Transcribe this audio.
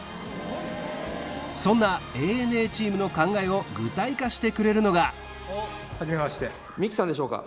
そんなＡＮＡチームの考えを具体化してくれるのが三木さんでしょうか？